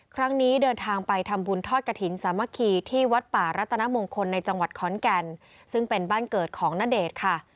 เดินทางไปทำบุญทอดกระถิ่นสามัคคีที่วัดป่ารัตนมงคลในจังหวัดขอนแก่นซึ่งเป็นบ้านเกิดของณเดชน์ค่ะ